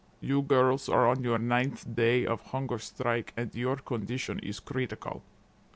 You girls are on your ninth day of hunger strike and your condition is critical.